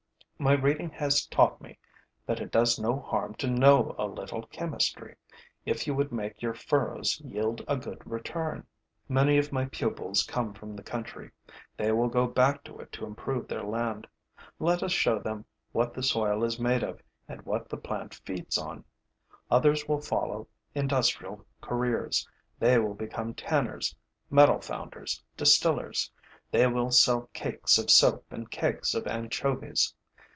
My reading has taught me that it does no harm to know a little chemistry, if you would make your furrows yield a good return. Many of my pupils come from the country; they will go back to it to improve their land. Let us show them what the soil is made of and what the plant feeds on. Others will follow industrial careers; they will become tanners, metal founders, distillers; they will sell cakes of soap and kegs of anchovies.